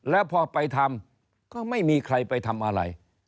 แล้วพอไปทำก็ไม่มีใครไปทำอะไร